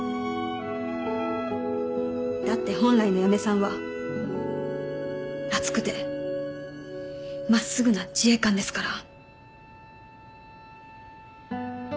だって本来の八女さんは熱くて真っすぐな自衛官ですから。